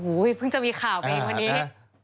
อุ้ยเพิ่งจะมีข่าวอีกวันนี้